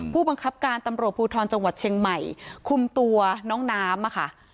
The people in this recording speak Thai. ผู้บังคับการตำรวจภูทรจังหวัดเชียงใหม่คุมตัวน้องน้ำค่ะ